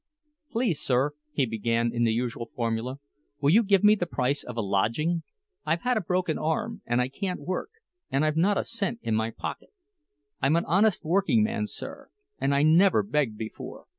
"Please, sir," he began, in the usual formula, "will you give me the price of a lodging? I've had a broken arm, and I can't work, and I've not a cent in my pocket. I'm an honest working man, sir, and I never begged before!